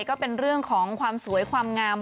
ก็เป็นเรื่องของความสวยความงาม